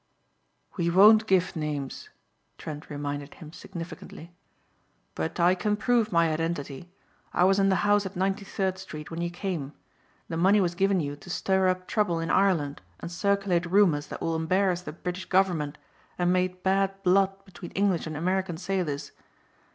"We won't give names," Trent reminded him significantly. "But I can prove my identity. I was in the house at Ninety third Street when you came. The money was given you to stir up trouble in Ireland and circulate rumors that will embarrass the British government and made bad blood between English and American sailors.